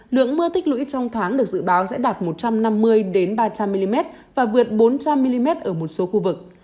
lượng mưa tích lũy trong tháng được dự báo sẽ đạt một trăm năm mươi ba trăm linh mm và vượt bốn trăm linh mm ở một số khu vực